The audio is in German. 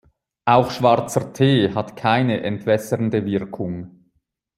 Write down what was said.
Auch schwarzer Tee hat keine entwässernde Wirkung.